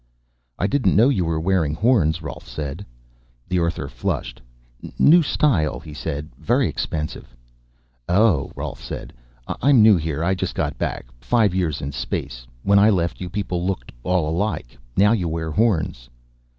"I didn't know you were wearing horns," Rolf said. The Earther flushed. "New style," he said. "Very expensive." "Oh," Rolf said. "I'm new here; I just got back. Five years in space. When I left you people looked all alike. Now you wear horns."